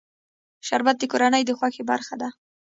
شربت د کورنۍ د خوښۍ برخه ده